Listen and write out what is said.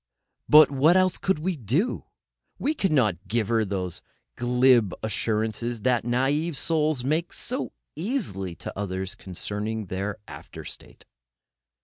But what else could we do? We could not give her those glib assurances that naive souls make so easily to others concerning their after state.